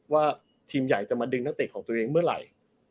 ว่าทีมใหญ่จะมาดึงนักเตะของตัวเองเมื่อไหร่